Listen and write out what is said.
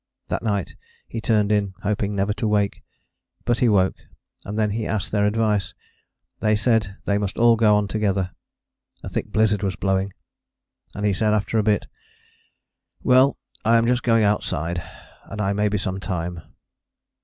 That night he turned in, hoping never to wake: but he woke, and then he asked their advice: they said they must all go on together. A thick blizzard was blowing, and he said, after a bit, "Well, I am just going outside, and I may be some time."